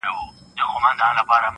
• که رضا وي که په زور وي زې کوومه..